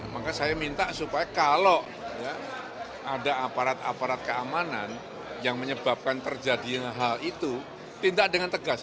maka saya minta supaya kalau ada aparat aparat keamanan yang menyebabkan terjadi hal itu tindak dengan tegas